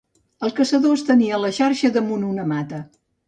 El caçador estenia la xarxa damunt una mata